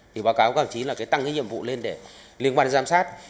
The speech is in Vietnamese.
thì báo cáo các hợp chí là tăng cái nhiệm vụ lên để liên quan đến giám sát